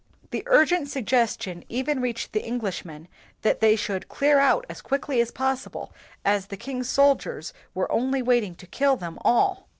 The urgent suggestion even reached the Englishmen that they should i 'clear out as quickly as possible, as the king's soldiers were only waiting to kill them all."